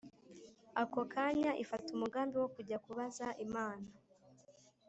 Ako kanya ifata umugambi wo kujya kubaza Imana